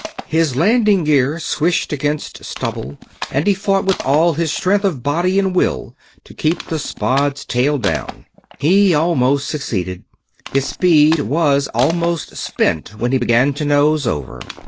His landing gear swished against stubble and he fought with all his strength of body and of will to keep the Spad's tail down. He almost succeeded; his speed was almost spent when he began to nose over.